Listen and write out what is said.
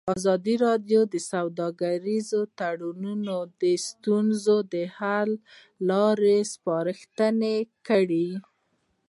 ازادي راډیو د سوداګریز تړونونه د ستونزو حل لارې سپارښتنې کړي.